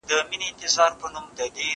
هغه څوک چې اوبه څښي روغ وي،